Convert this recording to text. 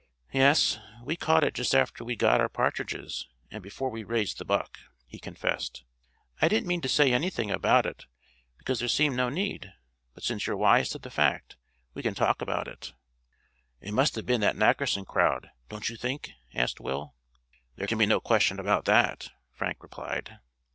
"Yes, we caught it just after we'd got our partridges, and before we raised the buck," he confessed; "I didn't mean to say anything about it, because there seemed no need; but since you're wise to the fact we can talk about it." "It must have been that Nackerson crowd, don't you think?" asked Will. "There can be no question about that," Frank replied.